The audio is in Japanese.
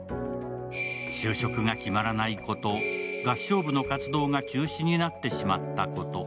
就職が決まらないこと、合唱部の活動が中止になってしまったこと。